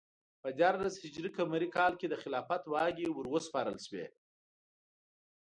په دیارلس ه ق کال کې د خلافت واګې وروسپارل شوې.